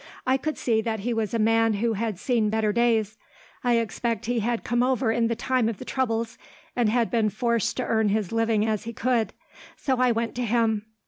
I could see that he was a man who had seen better days. I expect he had come over in the time of the troubles, and had been forced to earn his living as he could; so I went to him.